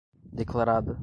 declarada